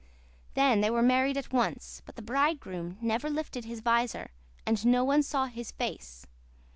Then they were married at once, but the bridegroom never lifted his visor and no one saw his face.